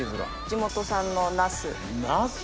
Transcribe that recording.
地元産のナス。